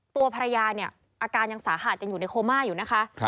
ตัวภรรยาเนี่ยอาการยังสาหัสยังอยู่ในโคม่าอยู่นะคะ